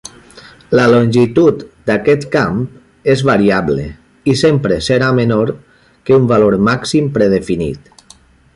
La longitud d'aquest camp és variable i sempre serà menor que un valor màxim predefinit.